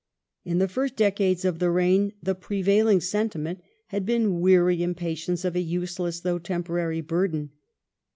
In the first decades of the reign the prevailing sentiment had been weary im patience of a useless though temporary burden.